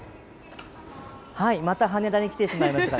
また羽田に来てしまいました。